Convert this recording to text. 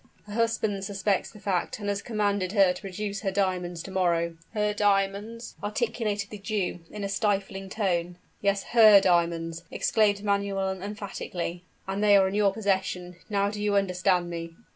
"Her husband suspects the fact, and has commanded her to produce her diamonds to morrow " "Her diamonds!" articulated the Jew in a stifling tone. "Yes, her diamonds," exclaimed Manuel emphatically; "and they are in your possession. Now do you understand me?"